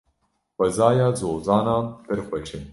Xwezaya zozanan pir xweş e.